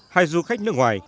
hai du khách nước ngoài